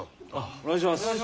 お願いします。